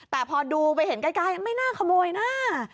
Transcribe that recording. แต่พอดูไปเห็นใกล้ไม่น่าขโมยนะ